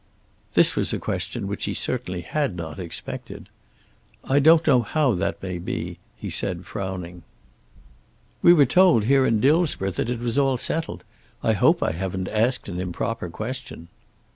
This was a question which he certainly had not expected. "I don't know how that may be," he said frowning. "We were told here in Dillsborough that it was all settled. I hope I haven't asked an improper question."